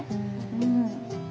うん。